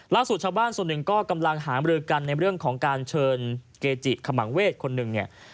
ชาวบ้านส่วนหนึ่งก็กำลังหามรือกันในเรื่องของการเชิญเกจิขมังเวทคนหนึ่งเนี่ย